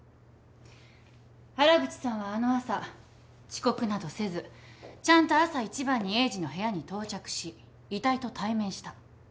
原口さんはあの朝遅刻などせずちゃんと朝一番に栄治の部屋に到着し遺体と対面した。